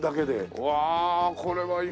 うわあこれはいい。